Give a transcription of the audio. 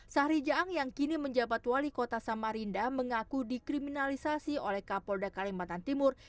syahri jaang yang kini menjabat wali kota samarinda mengaku dikriminalisasi oleh kapolda kalimantan timur